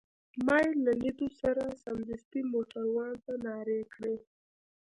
ما يې له لیدو سره سمدستي موټروان ته نارې کړې.